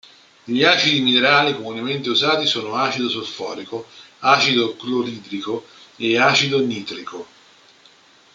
Gli acidi minerali comunemente usati sono acido solforico, acido cloridrico e acido nitrico.